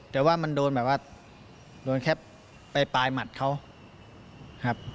แต่ว่ามันโดนแบบว่าโดนแค่ไปปลายหมัดเขาครับ